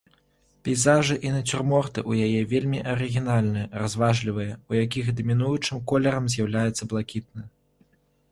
Пейзажы і нацюрморты ў яе вельмі арыгінальныя, разважлівыя, у якіх дамінуючым колерам з'яўляецца блакітны.